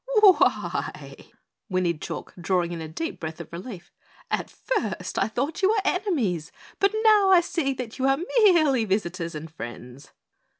"W why " whinnied Chalk, drawing in a deep breath of relief, "at first I thought you were enemies, but now I see that you are merely visitors and friends."